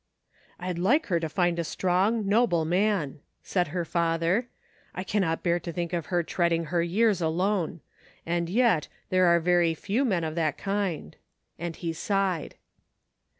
" I'd like her to find a strong, noble man," said her father, " I cannot bear to think of iher treading her years alone. And yet, there are very few men of that kind," and he sighed.